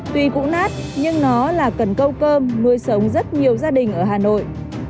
tuy cũng nát nhưng nó là cần câu cơm nuôi sống rất nhiều gia đình ở hà nội